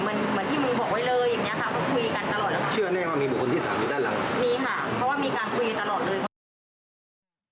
มีค่ะเพราะว่ามีการคุยตลอดเลย